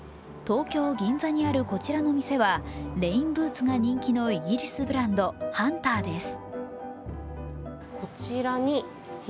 東京・銀座にあるこちらの店は、レインブーツが人気のイギリスブランド・ＨＵＮＴＥＲです。